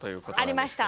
ありました。